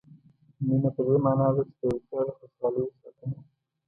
مینه په دې معنا ده چې د یو چا د خوشالیو ساتنه.